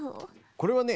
これはね